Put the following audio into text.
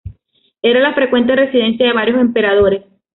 Era la frecuente residencia de varios emperadores.